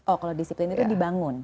oh kalau disiplin itu dibangun